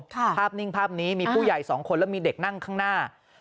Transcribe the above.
ภาพนิ่งภาพนี้มีผู้ใหญ่สองคนแล้วมีเด็กนั่งข้างหน้า